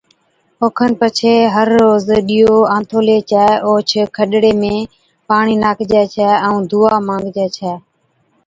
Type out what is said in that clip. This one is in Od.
اوکن پڇي ھر روز ڏِيئو آنٿولي چَي اوھچ کڏڙي ۾ پاڻِي ناکجَي ڇَي ائُون دُعا مانگجَي ڇَي